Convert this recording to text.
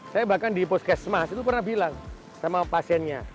saya bahkan di puskesmas itu pernah bilang sama pasiennya